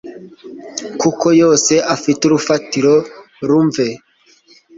kuko yose afite urufatiro rumve.